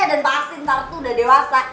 dan pastiin ntar tuh udah dewasa